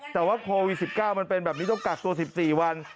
แต่ว่าโควิด๑๙มันเป็นแบบนี้ต้องกักตัว๑๔วัน